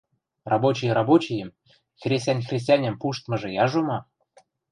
Рабочий рабочийӹм, хресӓнь хресӓньӹм пуштмыжы яжо ма?..